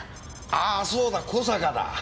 ああそうだ小坂だ。